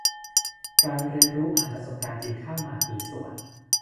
การเรียนรู้ผ่านประสบการณ์จริงเข้ามามีส่วน